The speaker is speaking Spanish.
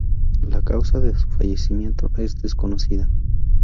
La causa de su fallecimiento es desconocida.